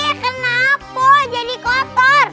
kenapa jadi kotor